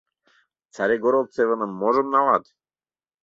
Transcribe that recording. Царегородцевыным можым налат?